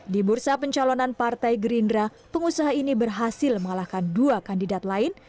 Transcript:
di bursa pencalonan partai gerindra pengusaha ini berhasil mengalahkan dua kandidat lain